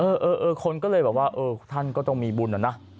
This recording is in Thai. เออคนก็เลยบอกว่าเออท่านก็ต้องมีบุญเหรอนะ